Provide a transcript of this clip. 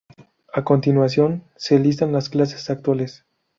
A continuación se listan las clases actuales.